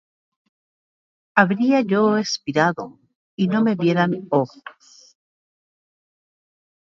Habría yo espirado, y no me vieran ojos.